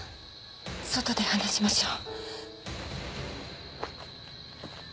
外で話しましょう。